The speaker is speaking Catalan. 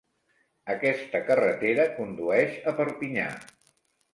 Aquesta carretera condueix a Perpinyà.